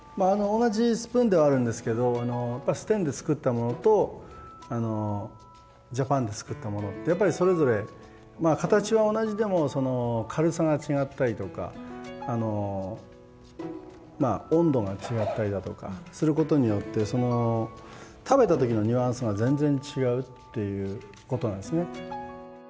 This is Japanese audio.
同じスプーンではあるんですけどステンで作ったものとジャパンで作ったものってやっぱりそれぞれ形は同じでも軽さが違ったりとか温度が違ったりだとかすることによって食べた時のニュアンスが全然違うっていうことなんですね。